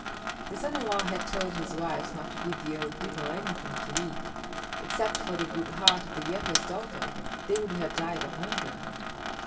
The son in law had told his wives not to give the old people anything to eat. Except for the good heart of the youngest daughter they would have died of hunger.